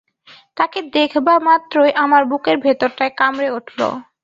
তাকে দেখবামাত্রই আমার বুকের ভিতরটায় কামড়ে উঠল।